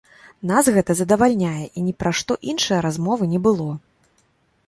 Нас гэта задавальняе і ні пра што іншае размовы не было.